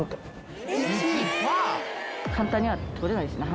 簡単には撮れないですね